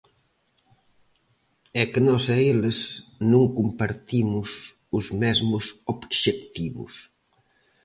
É que nós e eles non compartimos os mesmos obxectivos.